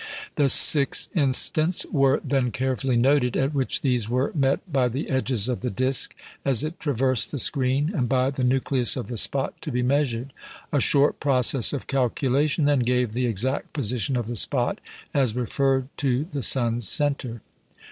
The six instants were then carefully noted at which these were met by the edges of the disc as it traversed the screen, and by the nucleus of the spot to be measured. A short process of calculation then gave the exact position of the spot as referred to the sun's centre.